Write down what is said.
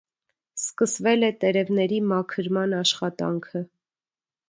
Սկսվել է տերևների մաքրման աշխատանքը։